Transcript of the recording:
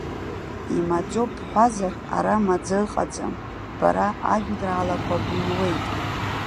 Имаӡоуп бҳәазар, ара маӡа ыҟаӡам, бара ажәеинраалақәа быҩуеит.